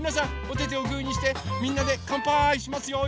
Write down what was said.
おててをグーにしてみんなでかんぱーいしますよ。